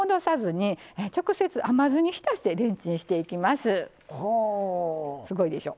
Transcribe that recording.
すごいでしょ。